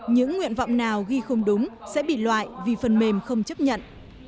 những nguyện vọng nào ghi không đúng sẽ bị loại vì phần mềm không chấp nhận